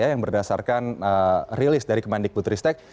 yang berdasarkan rilis dari kemandik putristek